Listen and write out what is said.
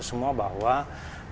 semoga kita bisa memiliki